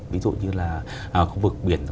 ví dụ như là khu vực biển